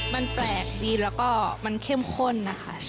มันแปลกดีแล้วก็มันเข้มข้นนะคะ